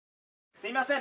すいません